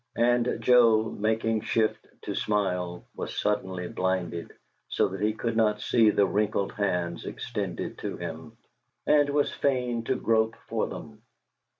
And Joe, making shift to smile, was suddenly blinded, so that he could not see the wrinkled hands extended to him, and was fain to grope for them.